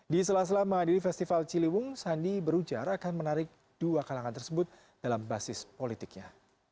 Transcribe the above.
di selas selama di festival ciliwung sandi berujara akan menarik dua kalangan tersebut dalam basis politiknya